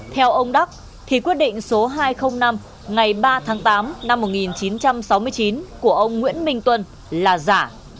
theo ông đắc thì quyết định số hai trăm linh năm ngày ba tháng tám năm một nghìn chín trăm sáu mươi chín của ông nguyễn minh tuân là giả